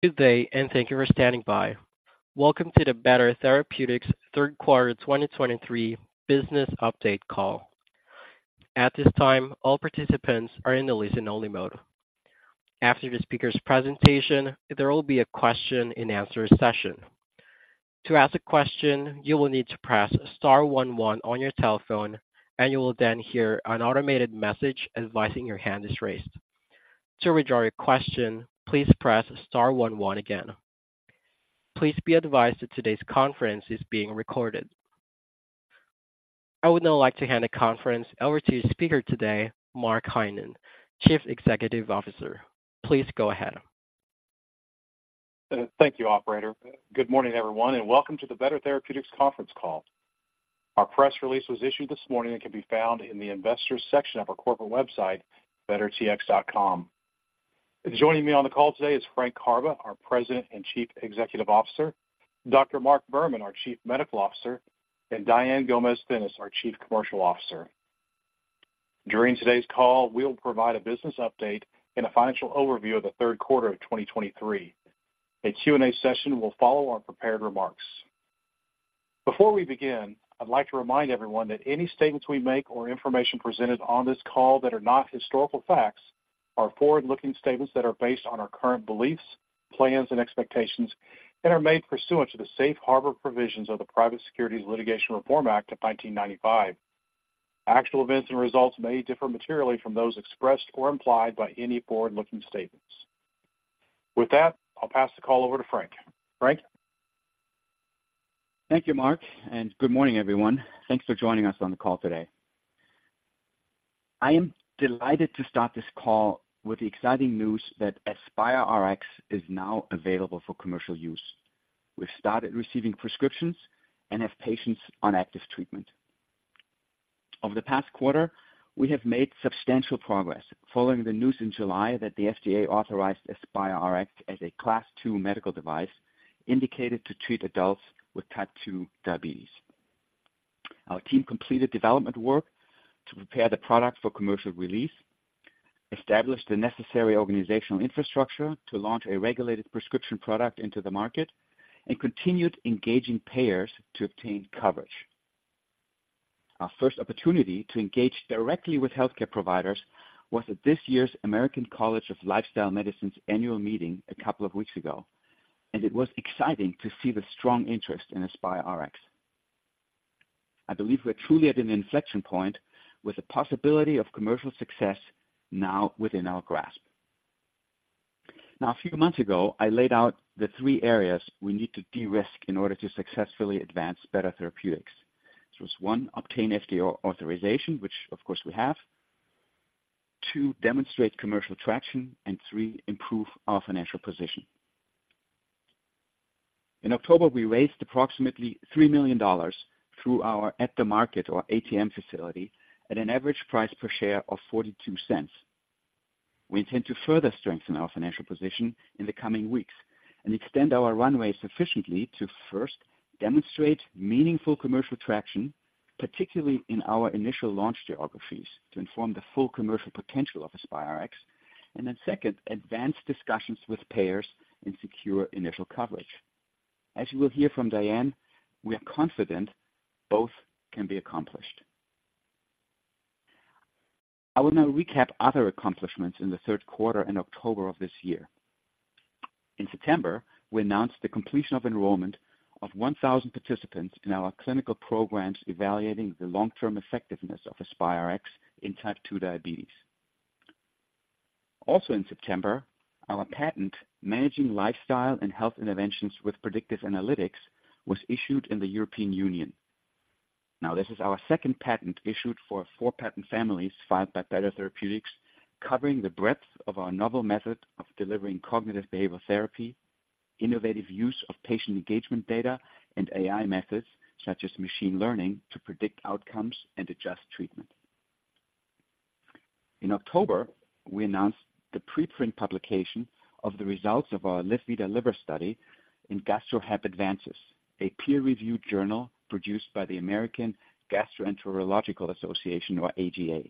Good day, and thank you for standing by. Welcome to the Better Therapeutics third quarter 2023 business update call. At this time, all participants are in the listen-only mode. After the speaker's presentation, there will be a question and answer session. To ask a question, you will need to press star one one on your telephone, and you will then hear an automated message advising your hand is raised. To withdraw your question, please press star one one again. Please be advised that today's conference is being recorded. I would now like to hand the conference over to speaker today, Mark Heinen, Chief Executive Officer. Please go ahead. Thank you, operator. Good morning, everyone, and welcome to the Better Therapeutics conference call. Our press release was issued this morning and can be found in the investors section of our corporate website, bettertx.com. Joining me on the call today is Frank Karbe, our President and Chief Executive Officer, Dr. Mark Berman, our Chief Medical Officer, and Diane Gomez-Thinnes, our Chief Commercial Officer. During today's call, we'll provide a business update and a financial overview of the third quarter of 2023. A Q&A session will follow our prepared remarks. Before we begin, I'd like to remind everyone that any statements we make or information presented on this call that are not historical facts are forward-looking statements that are based on our current beliefs, plans, and expectations, and are made pursuant to the Safe Harbor Provisions of the Private Securities Litigation Reform Act of 1995. Actual events and results may differ materially from those expressed or implied by any forward-looking statements. With that, I'll pass the call over to Frank. Frank? Thank you, Mark, and good morning, everyone. Thanks for joining us on the call today. I am delighted to start this call with the exciting news that AspyreRx is now available for commercial use. We've started receiving prescriptions and have patients on active treatment. Over the past quarter, we have made substantial progress. Following the news in July that the FDA authorized AspyreRx as a Class II medical device indicated to treat adults with type 2 diabetes. Our team completed development work to prepare the product for commercial release, established the necessary organizational infrastructure to launch a regulated prescription product into the market, and continued engaging payers to obtain coverage. Our first opportunity to engage directly with healthcare providers was at this year's American College of Lifestyle Medicine's annual meeting a couple of weeks ago, and it was exciting to see the strong interest in AspyreRx. I believe we're truly at an inflection point with the possibility of commercial success now within our grasp. Now, a few months ago, I laid out the three areas we need to de-risk in order to successfully advance Better Therapeutics. So it's, one, obtain FDA authorization, which of course we have. Two, demonstrate commercial traction, and three, improve our financial position. In October, we raised approximately $3 million through our at-the-market or ATM facility at an average price per share of $0.42. We intend to further strengthen our financial position in the coming weeks and extend our runway sufficiently to first demonstrate meaningful commercial traction, particularly in our initial launch geographies, to inform the full commercial potential of AspyreRx, and then second, advance discussions with payers and secure initial coverage. As you will hear from Diane, we are confident both can be accomplished. I will now recap other accomplishments in the third quarter and October of this year. In September, we announced the completion of enrollment of 1,000 participants in our clinical programs evaluating the long-term effectiveness of AspyreRx in type 2 diabetes. Also in September, our patent, Managing Lifestyle and Health Interventions with Predictive Analytics, was issued in the European Union. Now, this is our second patent issued for 4 patent families filed by Better Therapeutics, covering the breadth of our novel method of delivering cognitive behavioral therapy, innovative use of patient engagement data, and AI methods, such as machine learning, to predict outcomes and adjust treatment. In October, we announced the preprint publication of the results of our LivVita liver study in Gastro Hep Advances, a peer-reviewed journal produced by the American Gastroenterological Association, or AGA.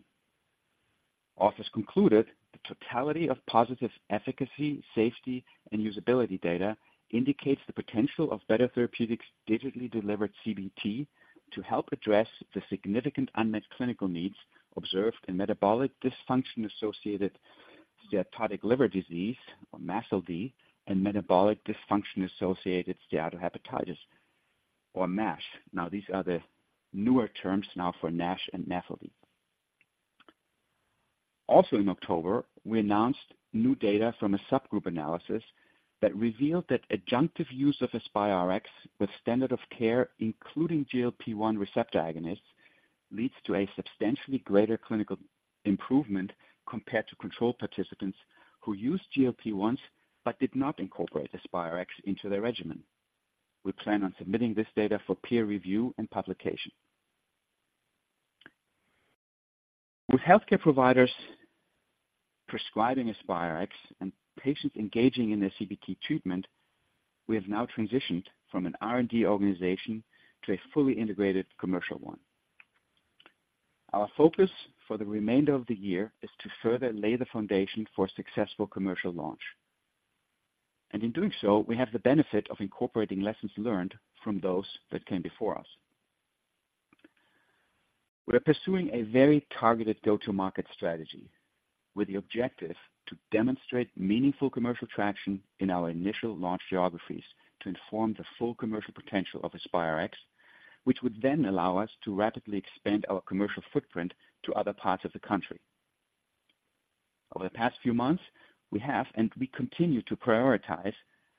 Authors concluded the totality of positive efficacy, safety, and usability data indicates the potential of Better Therapeutics' digitally delivered CBT to help address the significant unmet clinical needs observed in metabolic dysfunction-associated steatotic liver disease, or MASLD, and metabolic dysfunction-associated steatohepatitis, or MASH. Now, these are the newer terms now for NASH and MASLD. Also in October, we announced new data from a subgroup analysis that revealed that adjunctive use of AspyreRx with standard of care, including GLP-1 receptor agonists, leads to a substantially greater clinical improvement compared to control participants who used GLP-1s but did not incorporate AspyreRx into their regimen. We plan on submitting this data for peer review and publication. With healthcare providers prescribing AspyreRx and patients engaging in their CBT treatment, we have now transitioned from an R&D organization to a fully integrated commercial one. Our focus for the remainder of the year is to further lay the foundation for a successful commercial launch. And in doing so, we have the benefit of incorporating lessons learned from those that came before us. We're pursuing a very targeted go-to-market strategy, with the objective to demonstrate meaningful commercial traction in our initial launch geographies to inform the full commercial potential of AspyreRx, which would then allow us to rapidly expand our commercial footprint to other parts of the country. Over the past few months, we have, and we continue to prioritize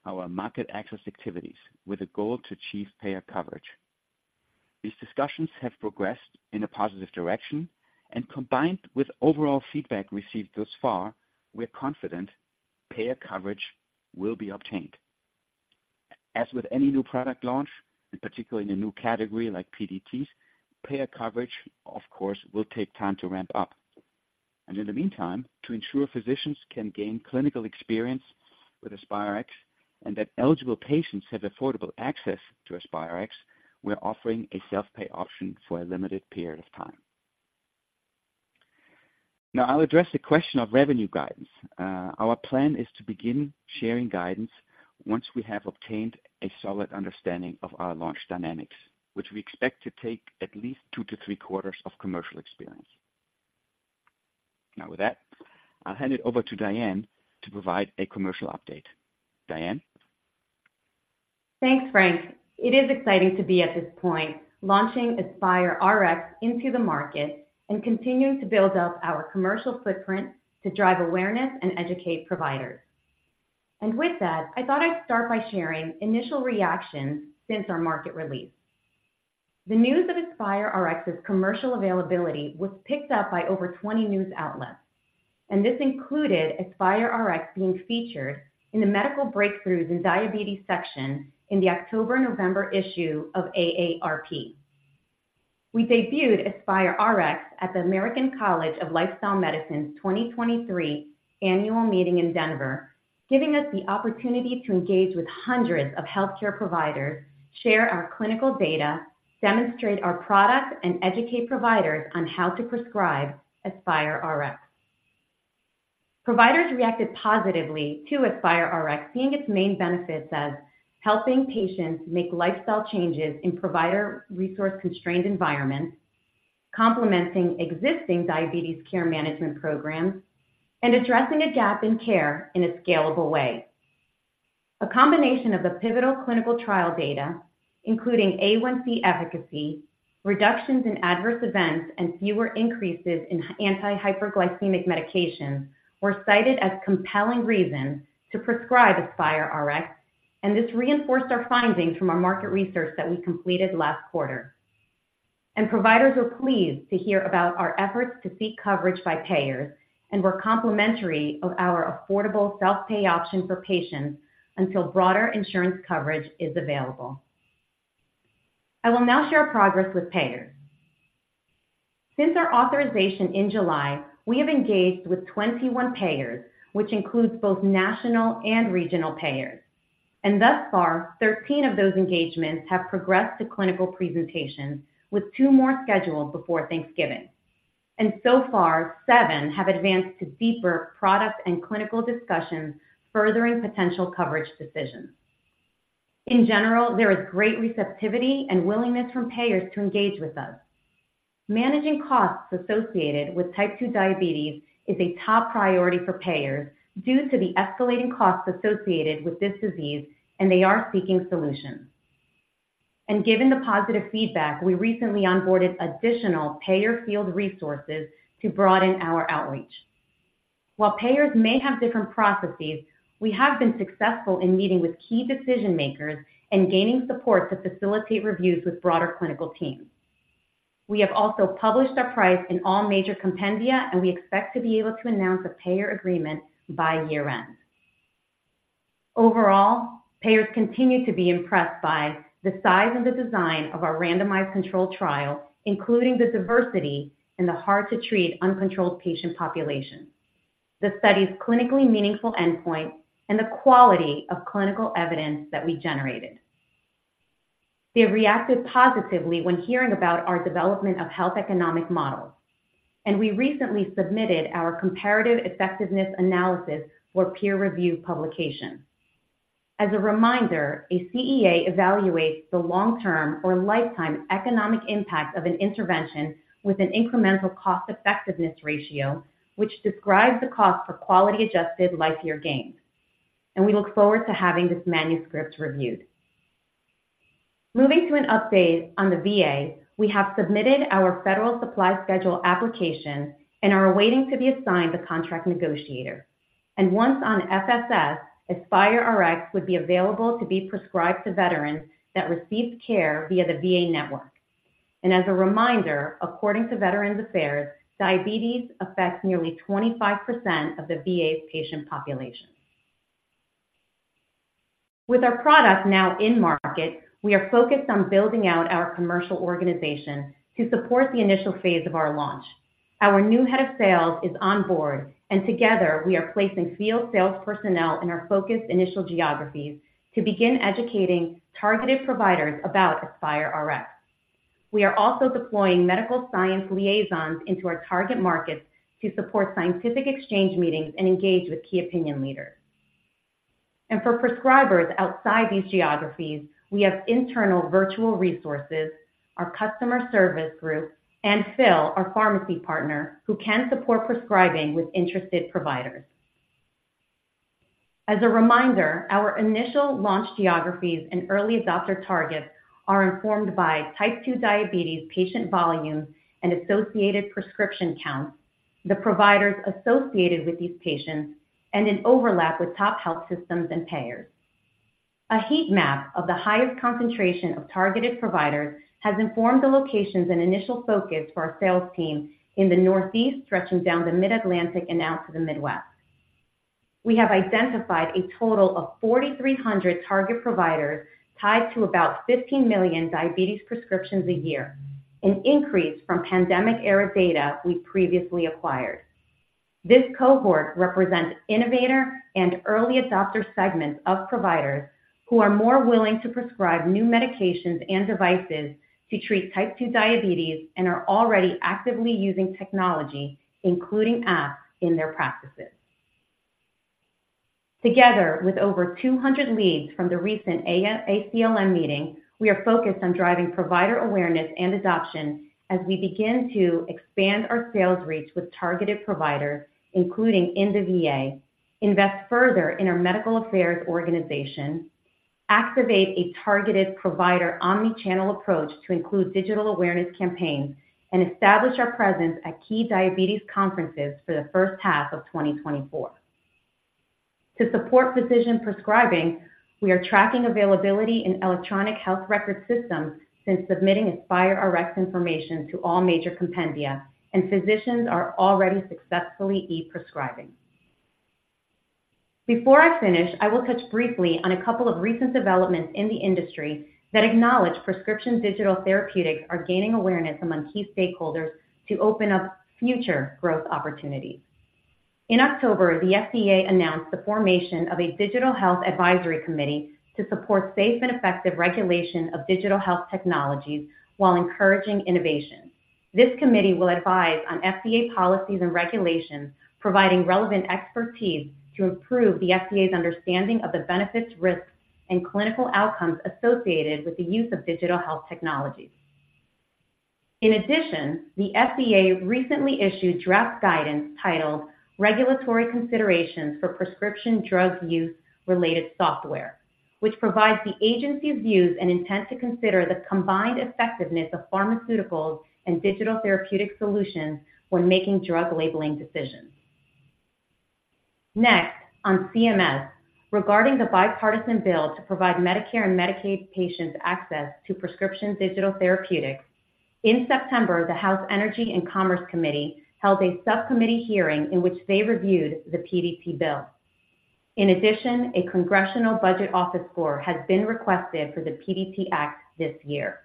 our market access activities with a goal to achieve payer coverage. These discussions have progressed in a positive direction, and combined with overall feedback received thus far, we're confident payer coverage will be obtained. As with any new product launch, and particularly in a new category like PDTs, payer coverage, of course, will take time to ramp up. And in the meantime, to ensure physicians can gain clinical experience with AspyreRx and that eligible patients have affordable access to AspyreRx, we're offering a self-pay option for a limited period of time. Now, I'll address the question of revenue guidance. Our plan is to begin sharing guidance once we have obtained a solid understanding of our launch dynamics, which we expect to take at least 2-3 quarters of commercial experience. Now, with that, I'll hand it over to Diane to provide a commercial update. Diane? Thanks, Frank. It is exciting to be at this point, launching AspyreRx into the market and continuing to build up our commercial footprint to drive awareness and educate providers. With that, I thought I'd start by sharing initial reactions since our market release. The news of AspyreRx's commercial availability was picked up by over 20 news outlets, and this included AspyreRx being featured in the Medical Breakthroughs in Diabetes section in the October-November issue of AARP. We debuted AspyreRx at the American College of Lifestyle Medicine's 2023 annual meeting in Denver, giving us the opportunity to engage with hundreds of healthcare providers, share our clinical data, demonstrate our products, and educate providers on how to prescribe AspyreRx. Providers reacted positively to AspyreRx, seeing its main benefits as helping patients make lifestyle changes in provider resource-constrained environments, complementing existing diabetes care management programs, and addressing a gap in care in a scalable way. A combination of the pivotal clinical trial data, including A1c efficacy, reductions in adverse events, and fewer increases in anti-hyperglycemic medications, were cited as compelling reasons to prescribe AspyreRx, and this reinforced our findings from our market research that we completed last quarter. Providers were pleased to hear about our efforts to seek coverage by payers, and were complimentary of our affordable self-pay option for patients until broader insurance coverage is available. I will now share progress with payers. Since our authorization in July, we have engaged with 21 payers, which includes both national and regional payers. Thus far, 13 of those engagements have progressed to clinical presentations, with 2 more scheduled before Thanksgiving. So far, 7 have advanced to deeper product and clinical discussions, furthering potential coverage decisions. In general, there is great receptivity and willingness from payers to engage with us. Managing costs associated with type 2 diabetes is a top priority for payers due to the escalating costs associated with this disease, and they are seeking solutions. Given the positive feedback, we recently onboarded additional payer field resources to broaden our outreach. While payers may have different processes, we have been successful in meeting with key decision makers and gaining support to facilitate reviews with broader clinical teams. We have also published our price in all major compendia, and we expect to be able to announce a payer agreement by year-end. Overall, payers continue to be impressed by the size and the design of our randomized controlled trial, including the diversity in the hard-to-treat, uncontrolled patient population, the study's clinically meaningful endpoint, and the quality of clinical evidence that we generated. They reacted positively when hearing about our development of health economic models, and we recently submitted our comparative effectiveness analysis for peer review publication. As a reminder, a CEA evaluates the long-term or lifetime economic impact of an intervention with an incremental cost-effectiveness ratio, which describes the cost for quality-adjusted life year gains. We look forward to having this manuscript reviewed. Moving to an update on the VA, we have submitted our Federal Supply Schedule application and are waiting to be assigned a contract negotiator. Once on FSS, AspyreRx would be available to be prescribed to veterans that receive care via the VA network. As a reminder, according to Veterans Affairs, diabetes affects nearly 25% of the VA's patient population. With our product now in market, we are focused on building out our commercial organization to support the initial phase of our launch. Our new head of sales is on board, and together, we are placing field sales personnel in our focused initial geographies to begin educating targeted providers about AspyreRx. We are also deploying medical science liaisons into our target markets to support scientific exchange meetings and engage with key opinion leaders. For prescribers outside these geographies, we have internal virtual resources, our customer service group, and Phil, our pharmacy partner, who can support prescribing with interested providers. As a reminder, our initial launch geographies and early adopter targets are informed by type 2 diabetes patient volumes and associated prescription counts, the providers associated with these patients, and an overlap with top health systems and payers. A heat map of the highest concentration of targeted providers has informed the locations and initial focus for our sales team in the Northeast, stretching down the Mid-Atlantic and out to the Midwest. We have identified a total of 4,300 target providers tied to about 15 million diabetes prescriptions a year, an increase from pandemic-era data we previously acquired. This cohort represents innovator and early adopter segments of providers who are more willing to prescribe new medications and devices to treat type 2 diabetes and are already actively using technology, including apps, in their practices. Together with over 200 leads from the recent ACLM meeting, we are focused on driving provider awareness and adoption as we begin to expand our sales reach with targeted providers, including in the VA, invest further in our medical affairs organization, activate a targeted provider omni-channel approach to include digital awareness campaigns, and establish our presence at key diabetes conferences for the first half of 2024. To support physician prescribing, we are tracking availability in electronic health record systems since submitting AspyreRx information to all major compendia, and physicians are already successfully e-prescribing. Before I finish, I will touch briefly on a couple of recent developments in the industry that acknowledge prescription digital therapeutics are gaining awareness among key stakeholders to open up future growth opportunities. In October, the FDA announced the formation of a Digital Health Advisory Committee to support safe and effective regulation of digital health technologies while encouraging innovation. This committee will advise on FDA policies and regulations, providing relevant expertise to improve the FDA's understanding of the benefits, risks, and clinical outcomes associated with the use of digital health technologies. In addition, the FDA recently issued draft guidance titled Regulatory Considerations for Prescription Drug Use-Related Software, which provides the agency's views and intent to consider the combined effectiveness of pharmaceuticals and digital therapeutic solutions when making drug labeling decisions. Next, on CMS. Regarding the bipartisan bill to provide Medicare and Medicaid patients access to prescription digital therapeutics, in September, the House Energy and Commerce Committee held a subcommittee hearing in which they reviewed the PDT bill. In addition, a Congressional Budget Office score has been requested for the PDT Act this year.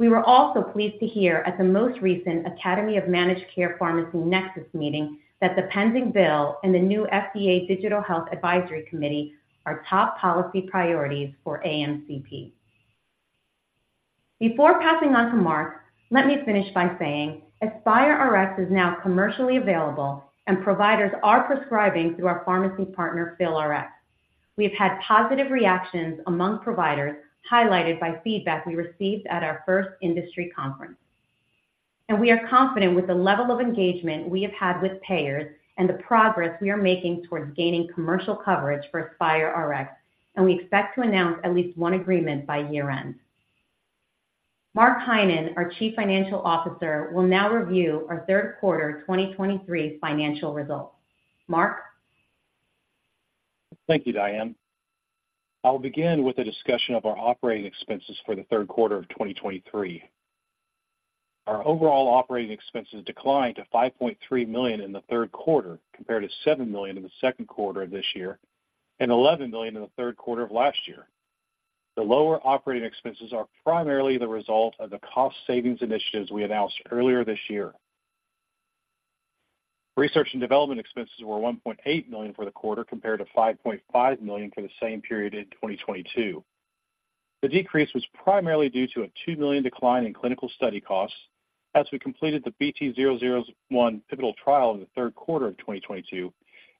We were also pleased to hear at the most recent Academy of Managed Care Pharmacy Nexus meeting that the pending bill and the new FDA Digital Health Advisory Committee are top policy priorities for AMCP. Before passing on to Mark, let me finish by saying AspyreRx is now commercially available, and providers are prescribing through our pharmacy partner, PhilRx. We have had positive reactions among providers, highlighted by feedback we received at our first industry conference. We are confident with the level of engagement we have had with payers and the progress we are making towards gaining commercial coverage for AspyreRx, and we expect to announce at least one agreement by year-end. Mark Heinen, our Chief Financial Officer, will now review our third quarter 2023 financial results. Mark? Thank you, Diane. I'll begin with a discussion of our operating expenses for the third quarter of 2023. Our overall operating expenses declined to $5.3 million in the third quarter, compared to $7 million in the second quarter of this year and $11 million in the third quarter of last year. The lower operating expenses are primarily the result of the cost savings initiatives we announced earlier this year. Research and development expenses were $1.8 million for the quarter, compared to $5.5 million for the same period in 2022. The decrease was primarily due to a $2 million decline in clinical study costs as we completed the BT-001 pivotal trial in the third quarter of 2022,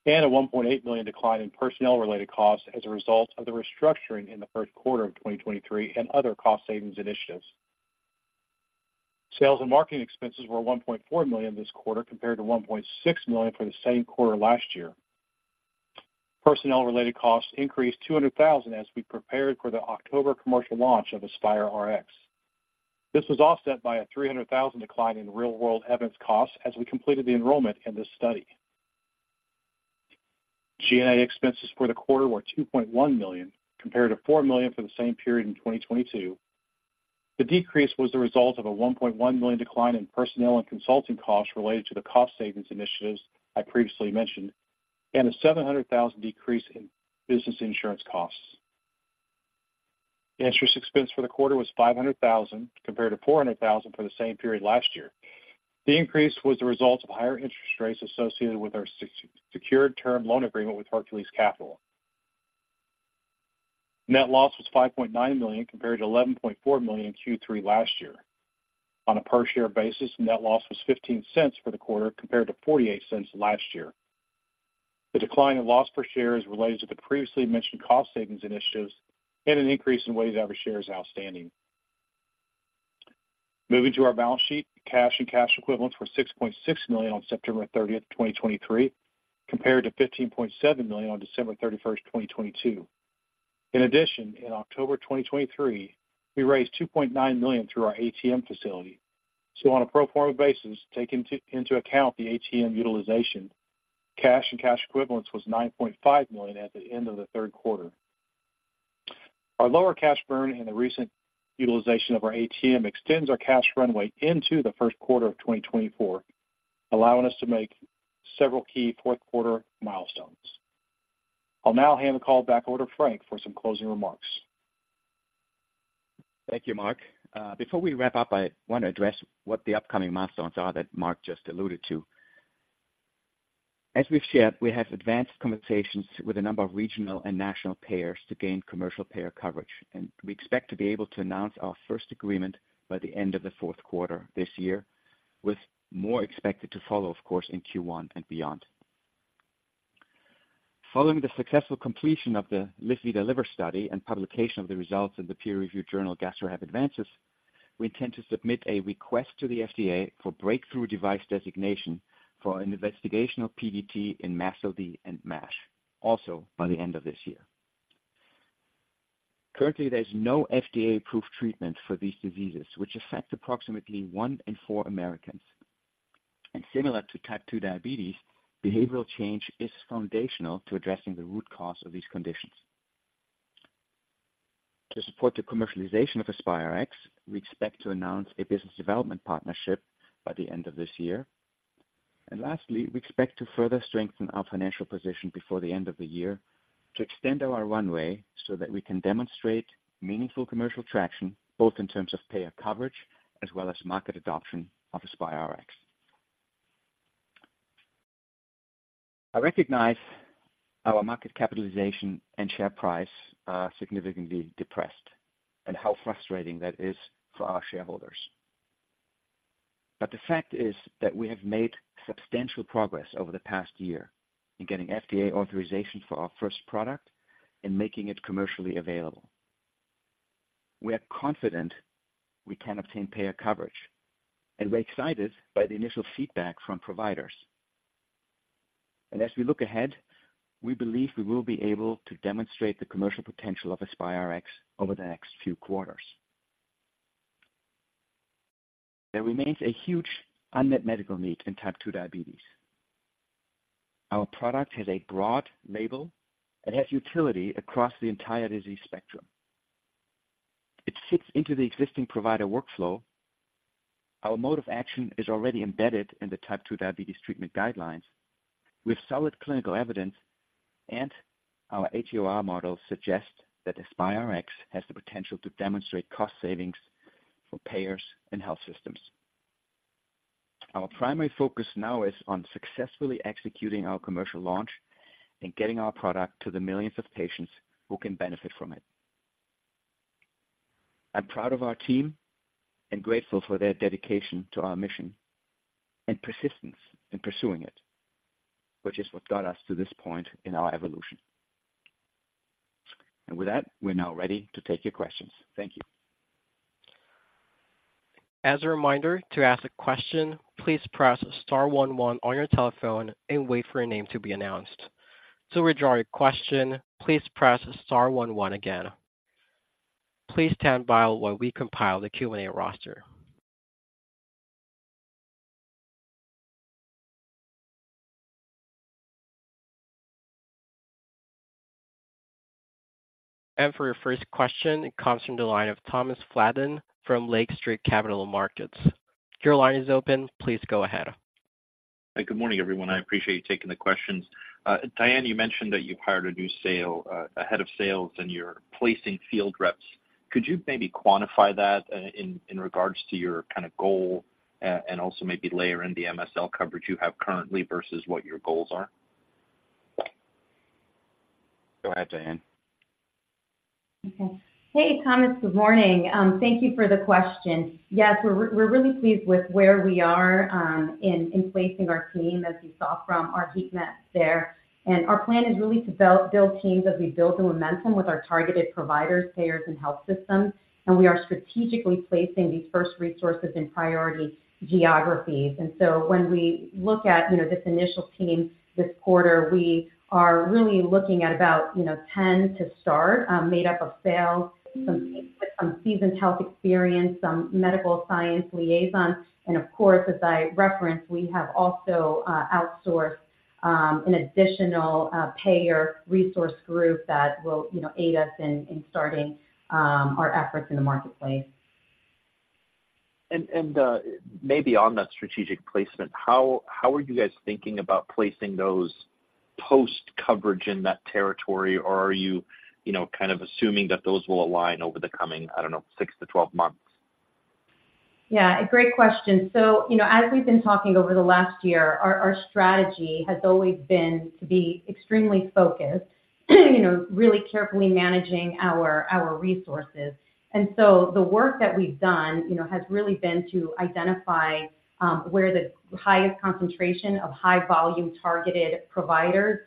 and a $1.8 million decline in personnel-related costs as a result of the restructuring in the first quarter of 2023 and other cost savings initiatives. Sales and marketing expenses were $1.4 million this quarter, compared to $1.6 million for the same quarter last year. Personnel-related costs increased $200,000 as we prepared for the October commercial launch of AspyreRx. This was offset by a $300,000 decline in real-world evidence costs as we completed the enrollment in this study. G&A expenses for the quarter were $2.1 million, compared to $4 million for the same period in 2022. The decrease was the result of a $1.1 million decline in personnel and consulting costs related to the cost savings initiatives I previously mentioned, and a $700,000 decrease in business insurance costs. The interest expense for the quarter was $500,000, compared to $400,000 for the same period last year. The increase was the result of higher interest rates associated with our secured term loan agreement with Hercules Capital. Net loss was $5.9 million, compared to $11.4 million in Q3 last year. On a per-share basis, net loss was $0.15 for the quarter, compared to $0.48 last year. The decline in loss per share is related to the previously mentioned cost savings initiatives and an increase in weighted average shares outstanding. Moving to our balance sheet, cash and cash equivalents were $6.6 million on September 30th, 2023, compared to $15.7 million on December 31st, 2022. In addition, in October 2023, we raised $2.9 million through our ATM facility. So on a pro forma basis, taking into account the ATM utilization, cash and cash equivalents was $9.5 million at the end of the third quarter. Our lower cash burn and the recent utilization of our ATM extends our cash runway into the first quarter of 2024, allowing us to make several key fourth quarter milestones. I'll now hand the call back over to Frank for some closing remarks. Thank you, Mark. Before we wrap up, I want to address what the upcoming milestones are that Mark just alluded to. As we've shared, we have advanced conversations with a number of regional and national payers to gain commercial payer coverage, and we expect to be able to announce our first agreement by the end of the fourth quarter this year, with more expected to follow, of course, in Q1 and beyond. Following the successful completion of the LivVita liver study and publication of the results in the peer-reviewed journal, Gastro Hep Advances, we intend to submit a request to the FDA for breakthrough device designation for an investigational PDT in MASLD and MASH, also by the end of this year. Currently, there's no FDA-approved treatment for these diseases, which affect approximately one in four Americans. Similar to type two diabetes, behavioral change is foundational to addressing the root cause of these conditions. To support the commercialization of AspyreRx, we expect to announce a business development partnership by the end of this year. Lastly, we expect to further strengthen our financial position before the end of the year to extend our runway so that we can demonstrate meaningful commercial traction, both in terms of payer coverage as well as market adoption of AspyreRx. I recognize our market capitalization and share price are significantly depressed, and how frustrating that is for our shareholders. The fact is that we have made substantial progress over the past year in getting FDA authorization for our first product and making it commercially available. We are confident we can obtain payer coverage, and we're excited by the initial feedback from providers. As we look ahead, we believe we will be able to demonstrate the commercial potential of AspyreRx over the next few quarters. There remains a huge unmet medical need in type 2 diabetes. Our product has a broad label and has utility across the entire disease spectrum. It fits into the existing provider workflow. Our mode of action is already embedded in the type 2 diabetes treatment guidelines with solid clinical evidence, and our EHR model suggests that AspyreRx has the potential to demonstrate cost savings for payers and health systems. Our primary focus now is on successfully executing our commercial launch and getting our product to the millions of patients who can benefit from it. I'm proud of our team and grateful for their dedication to our mission and persistence in pursuing it, which is what got us to this point in our evolution. With that, we're now ready to take your questions. Thank you. As a reminder, to ask a question, please press star one one on your telephone and wait for your name to be announced. To withdraw your question, please press star one one again. Please stand by while we compile the Q&A roster. For your first question, it comes from the line of Thomas Flaten from Lake Street Capital Markets. Your line is open. Please go ahead. Hi, good morning, everyone. I appreciate you taking the questions. Diane, you mentioned that you've hired a new sales, a head of sales, and you're placing field reps. Could you maybe quantify that, in regards to your kind of goal, and also maybe layer in the MSL coverage you have currently versus what your goals are? Go ahead, Diane. Okay. Hey, Thomas, good morning. Thank you for the question. Yes, we're really pleased with where we are in placing our team, as you saw from our heat map there. Our plan is really to build teams as we build the momentum with our targeted providers, payers, and health systems. We are strategically placing these first resources in priority geographies. So when we look at this initial team this quarter, we are really looking at about 10 to start, made up of sales, some seasoned health experience, some medical science liaisons. Of course, as I referenced, we have also outsourced an additional payer resource group that will aid us in starting our efforts in the marketplace. Maybe on that strategic placement, how are you guys thinking about placing those post-coverage in that territory? Or are you, you know, kind of assuming that those will align over the coming, I don't know, 6-12 months? Yeah, a great question. So, you know, as we've been talking over the last year, our strategy has always been to be extremely focused, you know, really carefully managing our resources. And so the work that we've done, you know, has really been to identify where the highest concentration of high volume targeted providers are,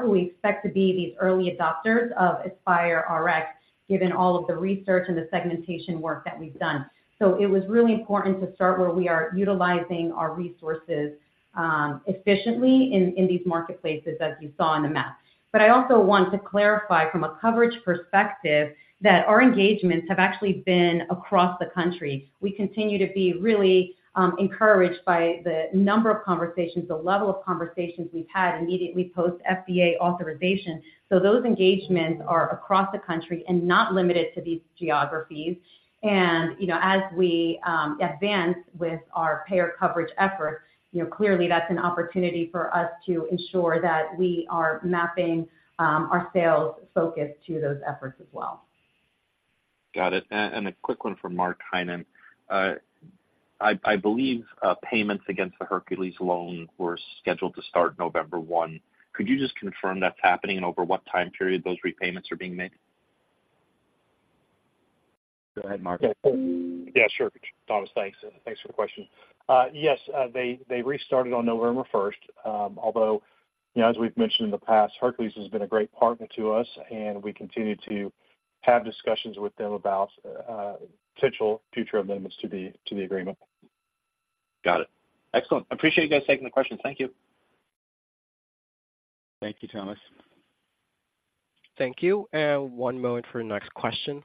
who we expect to be these early adopters of AspyreRx, given all of the research and the segmentation work that we've done. So it was really important to start where we are utilizing our resources efficiently in these marketplaces, as you saw on the map. But I also want to clarify from a coverage perspective that our engagements have actually been across the country. We continue to be really encouraged by the number of conversations, the level of conversations we've had immediately post FDA authorization. Those engagements are across the country and not limited to these geographies. You know, as we advance with our payer coverage efforts, you know, clearly that's an opportunity for us to ensure that we are mapping our sales focus to those efforts as well. Got it. And a quick one from Mark Heinen. I believe payments against the Hercules loan were scheduled to start November one. Could you just confirm that's happening and over what time period those repayments are being made? Go ahead, Mark. Yeah, sure, Thomas. Thanks. Thanks for the question. Yes, they restarted on November first. Although, you know, as we've mentioned in the past, Hercules has been a great partner to us, and we continue to have discussions with them about potential future amendments to the agreement. Got it. Excellent. I appreciate you guys taking the question. Thank you. Thank you, Thomas. Thank you, and one moment for the next question.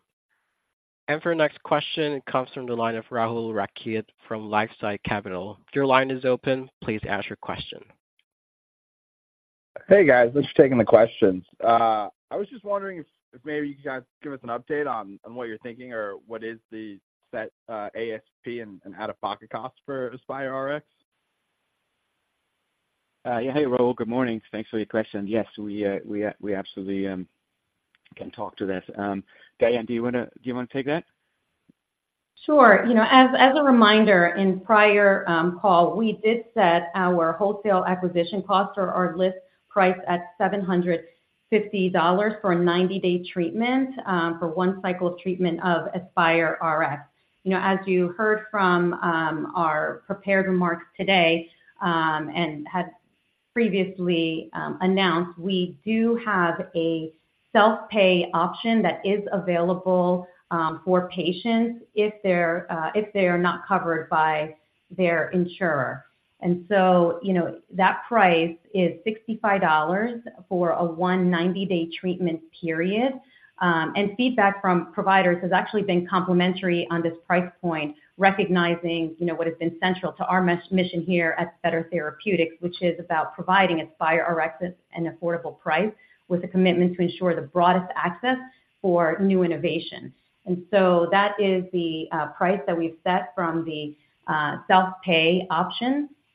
For our next question, it comes from the line of Rahul Rakhit from LifeSci Capital. Your line is open, please ask your question. Hey, guys, thanks for taking the questions. I was just wondering if maybe you guys could give us an update on what you're thinking or what is the set ASP and out-of-pocket cost for AspyreRx? Yeah. Hey, Rahul, good morning. Thanks for your question. Yes, we, we, we absolutely can talk to this. Diane, do you wanna, do you wanna take that? Sure. You know, as a reminder, in prior call, we did set our wholesale acquisition cost or our list price at $750 for a 90-day treatment for one cycle of treatment of AspyreRx. You know, as you heard from our prepared remarks today and had previously announced, we do have a self-pay option that is available for patients if they're not covered by their insurer. You know, that price is $65 for a 90-day treatment period. And feedback from providers has actually been complimentary on this price point, recognizing, you know, what has been central to our mission here at Better Therapeutics, which is about providing AspyreRx at an affordable price, with a commitment to ensure the broadest access for new innovation. So that is the price that we've set from the self-pay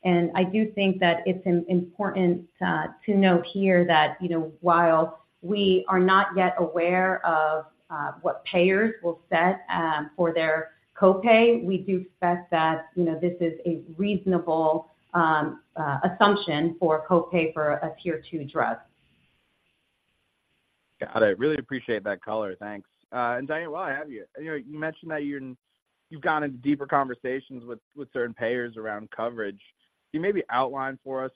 option. I do think that it's important to note here that, you know, while we are not yet aware of what payers will set for their copay, we do expect that, you know, this is a reasonable assumption for copay for a tier two drug. Got it. Really appreciate that color. Thanks. And Diane, while I have you, you know, you mentioned that you're, you've gone into deeper conversations with certain payers around coverage. Can you maybe outline for us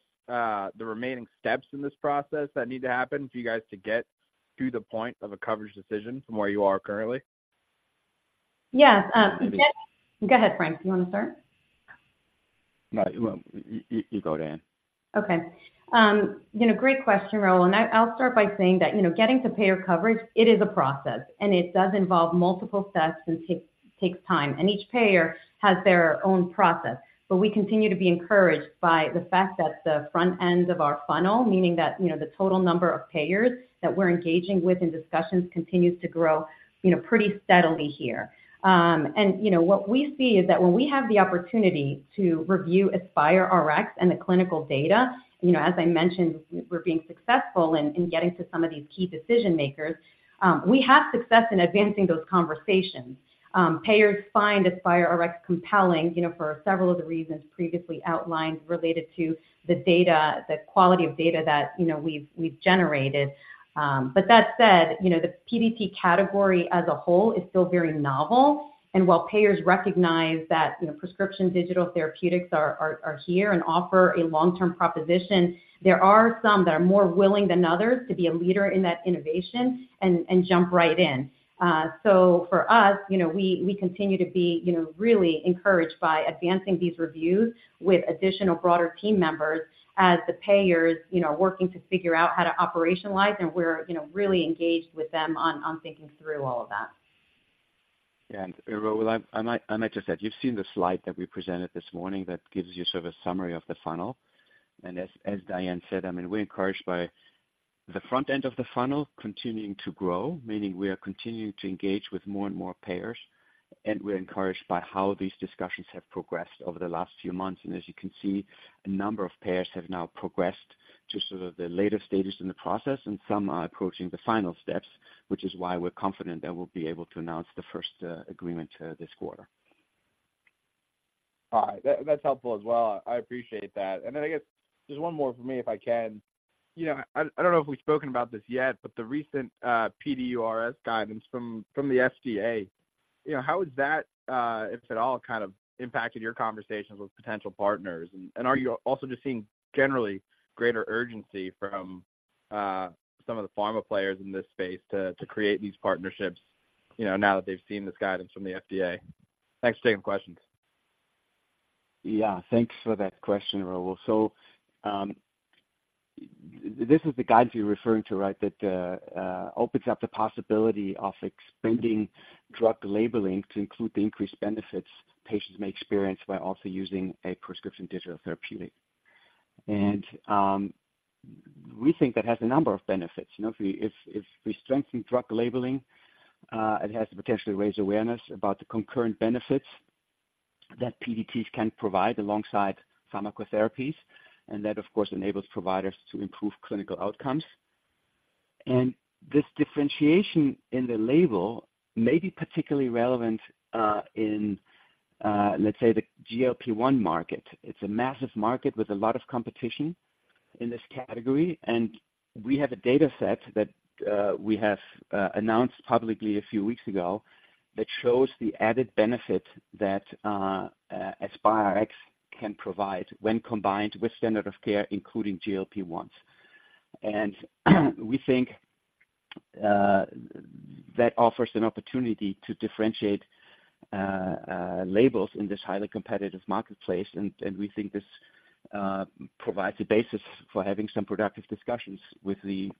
the remaining steps in this process that need to happen for you guys to get to the point of a coverage decision from where you are currently? Yes. Go ahead, Frank, do you want to start? No. You go, Diane. Okay. You know, great question, Rahul, and I, I'll start by saying that, you know, getting to payer coverage, it is a process, and it does involve multiple steps and takes time, and each payer has their own process. But we continue to be encouraged by the fact that the front end of our funnel, meaning that, you know, the total number of payers that we're engaging with in discussions continues to grow, you know, pretty steadily here. And, you know, what we see is that when we have the opportunity to review AspyreRx and the clinical data, you know, as I mentioned, we're being successful in getting to some of these key decision makers, we have success in advancing those conversations. Payers find AspyreRx compelling, you know, for several of the reasons previously outlined, related to the data, the quality of data that, you know, we've generated. But that said, you know, the PDP category as a whole is still very novel. And while payers recognize that, you know, prescription digital therapeutics are here and offer a long-term proposition, there are some that are more willing than others to be a leader in that innovation and jump right in. So for us, you know, we continue to be, you know, really encouraged by advancing these reviews with additional broader team members as the payers, you know, are working to figure out how to operationalize, and we're, you know, really engaged with them on thinking through all of that. Yeah, and Rahul, I might, I might just add, you've seen the slide that we presented this morning that gives you sort of a summary of the funnel. And as Diane said, I mean, we're encouraged by the front end of the funnel continuing to grow, meaning we are continuing to engage with more and more payers, and we're encouraged by how these discussions have progressed over the last few months. And as you can see, a number of payers have now progressed to sort of the later stages in the process, and some are approaching the final steps, which is why we're confident that we'll be able to announce the first agreement this quarter. All right. That, that's helpful as well. I appreciate that. And then I guess just one more from me, if I can. You know, I don't know if we've spoken about this yet, but the recent PDURS guidance from the FDA, you know, how has that, if at all, kind of impacted your conversations with potential partners? And are you also just seeing generally greater urgency from some of the pharma players in this space to create these partnerships, you know, now that they've seen this guidance from the FDA? Thanks for taking the questions. Yeah, thanks for that question, Rahul. So, this is the guidance you're referring to, right? That opens up the possibility of expanding drug labeling to include the increased benefits patients may experience by also using a prescription digital therapeutic. And, we think that has a number of benefits. You know, if we, if, if we strengthen drug labeling, it has to potentially raise awareness about the concurrent benefits that PDTs can provide alongside pharmacotherapies, and that, of course, enables providers to improve clinical outcomes. And this differentiation in the label may be particularly relevant, in, let's say, the GLP-1 market. It's a massive market with a lot of competition in this category, and we have a data set that we have announced publicly a few weeks ago that shows the added benefit that AspyreRx can provide when combined with standard of care, including GLP-1s. And we think that offers an opportunity to differentiate labels in this highly competitive marketplace. And we think this provides a basis for having some productive discussions with the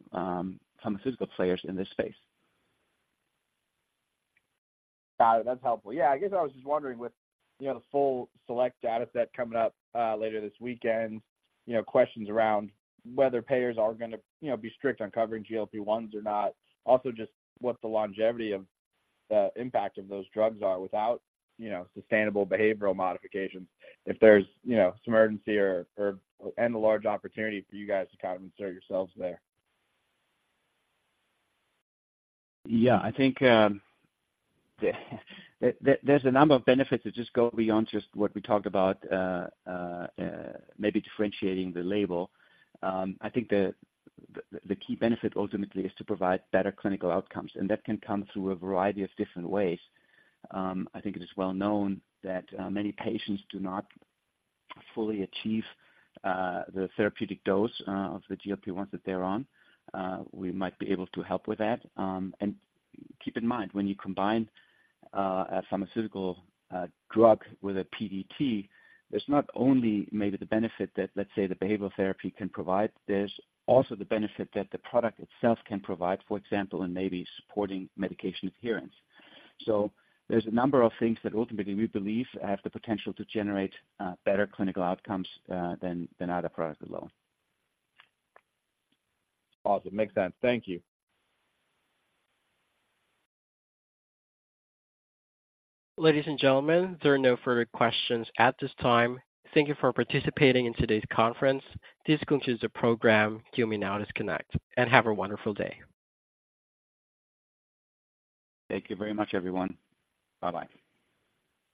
pharmaceutical players in this space. Got it. That's helpful. Yeah, I guess I was just wondering with, you know, the full select data set coming up later this weekend, you know, questions around whether payers are gonna, you know, be strict on covering GLP-1s or not. Also, just what the longevity of the impact of those drugs are without, you know, sustainable behavioral modifications, if there's, you know, some urgency or and a large opportunity for you guys to kind of insert yourselves there. Yeah, I think, there, there's a number of benefits that just go beyond just what we talked about, maybe differentiating the label. I think the key benefit ultimately is to provide better clinical outcomes, and that can come through a variety of different ways. I think it is well known that many patients do not fully achieve the therapeutic dose of the GLP-1s that they're on. We might be able to help with that. And keep in mind, when you combine a pharmaceutical drug with a PDT, there's not only maybe the benefit that, let's say, the behavioral therapy can provide, there's also the benefit that the product itself can provide, for example, in maybe supporting medication adherence. So there's a number of things that ultimately we believe have the potential to generate better clinical outcomes than other products alone. Awesome. Makes sense. Thank you. Ladies and gentlemen, there are no further questions at this time. Thank you for participating in today's conference. This concludes the program. You may now disconnect and have a wonderful day. Thank you very much, everyone. Bye-bye.